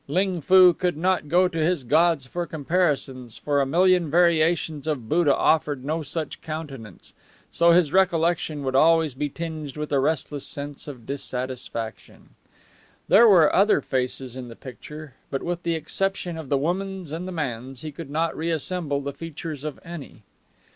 Ling Foo could not go to his gods for comparisons, for a million variations of Buddha offered no such countenance; so his recollection would always be tinged with a restless sense of dissatisfaction. There were other faces in the picture, but with the exception of the woman's and the man's he could not reassemble the features of any.